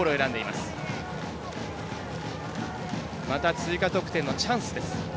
また追加得点のチャンスです。